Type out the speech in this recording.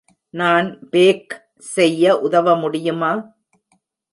நான் பேக் செய்ய உதவ முடியுமா?